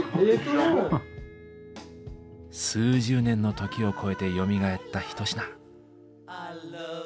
数十年の時を超えてよみがえった一品。